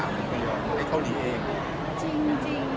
กลับถามนี้ที่เกาหลีเป็นยังไงบ้าง